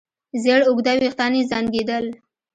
زېړ اوږده وېښتان يې زانګېدل.